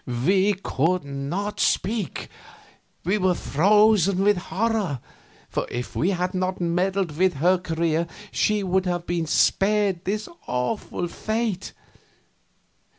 We could not speak; we were frozen with horror, for if we had not meddled with her career she would have been spared this awful fate.